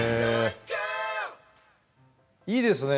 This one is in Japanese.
いいですね。